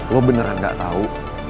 lo beneran gak tau